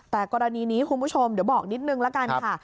แต่กรณีนี้คุณผู้ชมเดี๋ยวบอกนิดนึงละกันค่ะ